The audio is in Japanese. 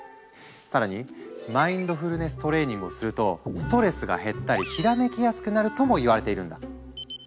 更にマインドフルネス・トレーニングをするとストレスが減ったりひらめきやすくなるともいわれているんだ。